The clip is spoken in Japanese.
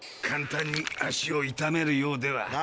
簡単に足を痛めるようでは。